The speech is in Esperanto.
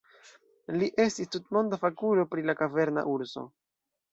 Li estis tutmonda fakulo pri la kaverna urso.